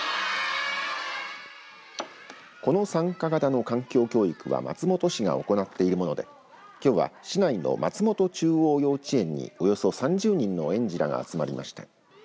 この参加型の環境教育は松本市が行っているものできょうは市内の松本中央幼稚園におよそ３０人の園児らが集まりました。